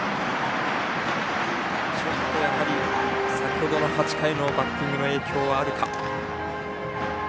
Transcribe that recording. やはり先ほどの８回のバッティングの影響があるか。